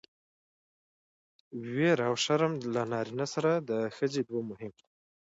ويره او شرم له نارينه سره د ښځې دوه مهم